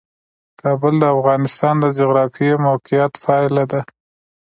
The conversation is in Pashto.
کابل د افغانستان د جغرافیایي موقیعت پایله ده.